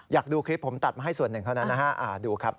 อยากดูคลิปผมตัดมาให้ส่วนหนึ่งเขานะครับดูครับ